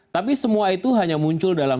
tapi semua itu hanya muncul dalam